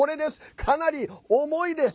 かなり重いです。